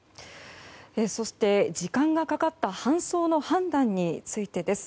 そして、時間がかかった搬送の判断についてです。